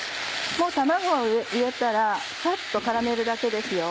もう卵を入れたらサッと絡めるだけですよ。